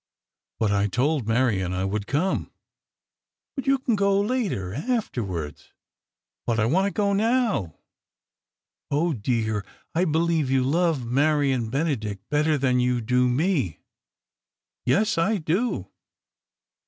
"But I told Marion I would come!" "But you can go later—afterwards." "But I want to go now." "Oh, dear, I believe you love Marion Benedict better than you do me." "Yes, I do."